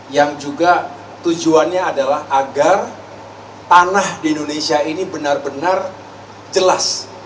yang juga tujuannya adalah agar tanah di indonesia ini benar benar jelas